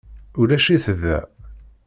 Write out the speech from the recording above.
Ulac-it da.